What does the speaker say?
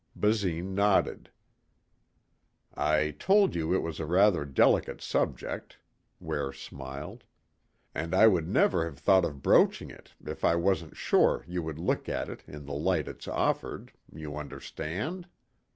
Basine nodded. "I told you it was a rather delicate subject," Ware smiled. "And I would never have thought of broaching it if I wasn't sure you would look at it in the light it's offered, you understand?